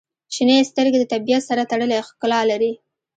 • شنې سترګې د طبیعت سره تړلې ښکلا لري.